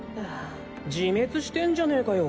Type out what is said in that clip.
自滅してんじゃねかよ